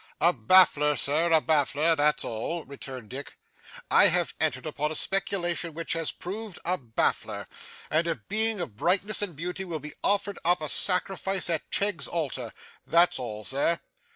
'A baffler, Sir, a baffler, that's all,' returned Dick. 'I have entered upon a speculation which has proved a baffler; and a Being of brightness and beauty will be offered up a sacrifice at Cheggs's altar. That's all, sir.